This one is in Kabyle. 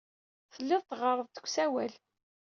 Tellid teɣɣared-d deg usawal.